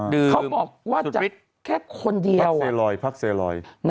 เขาบอกว่าจากแค่คนเดียวพรรคเซลอย